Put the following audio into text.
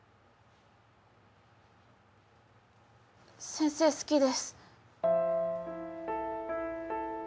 先生好きです。